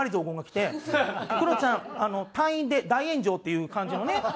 「クロちゃん退院で大炎上」っていう感じのね